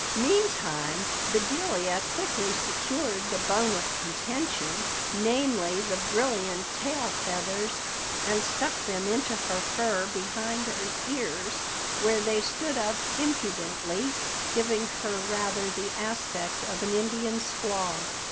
Meantime, Bedelia quickly secured the bone of contention, namely the brilliant tail feathers, and stuck them into her fur behind her ears, where they stood up impudently, giving her rather the aspect of an Indian squaw.